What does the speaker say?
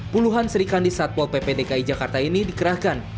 puluhan serikandi satpol pp dki jakarta ini dikerahkan